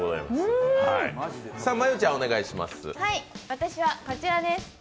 私はこちらです。